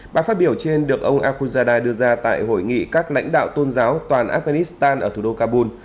bài phát biểu trên được ông akuzada đưa ra tại hội nghị các lãnh đạo tôn giáo toàn afghanistan ở thủ đô kabul